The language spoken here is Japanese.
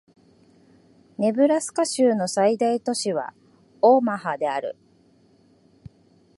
ネブラスカ州の最大都市はオマハである